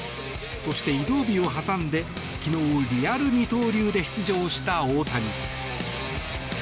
そして、移動日を挟んで昨日リアル二刀流で出場した大谷。